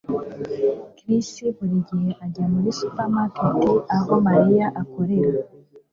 Chris buri gihe ajya muri supermarket aho Mariya akorera